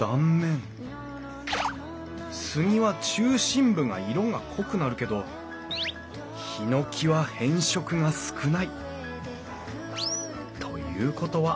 スギは中心部が色が濃くなるけどヒノキは変色が少ない。ということは！